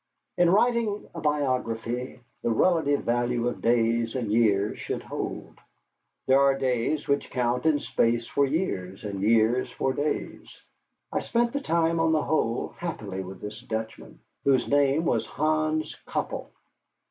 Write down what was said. In writing a biography, the relative value of days and years should hold. There are days which count in space for years, and years for days. I spent the time on the whole happily with this Dutchman, whose name was Hans Köppel.